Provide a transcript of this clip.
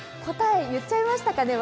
答え、言っちゃいましたか？